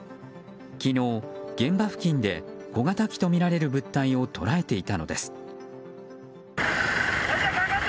昨日、現場付近で小型機とみられる物体を捉えていたのです。